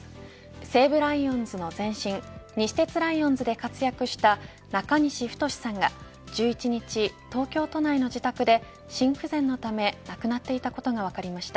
西武ライオンズの前身西鉄ライオンズで活躍した中西太さんが１１日、東京都内の自宅で心不全のため亡くなっていたことが分かりました。